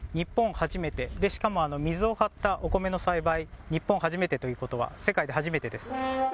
初めて、しかも水を張ったお米の栽培、日本初めてということは、世界で初めてです。